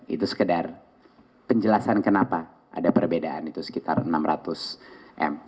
itu sekedar penjelasan kenapa ada perbedaan itu sekitar enam ratus m